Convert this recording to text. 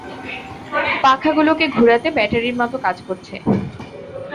পাখাগুলোকে ঘুরাতে ব্যাটারির মতো কাজ করছে।